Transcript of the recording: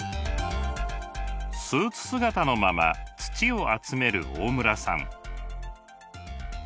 スーツ姿のまま土を集める大村さん。